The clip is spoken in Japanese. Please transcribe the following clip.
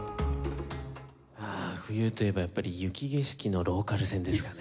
冬といえばやっぱり雪景色のローカル線ですかね。